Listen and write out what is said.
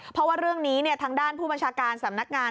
เพราะว่าเรื่องนี้ทางด้านผู้บัญชาการสำนักงาน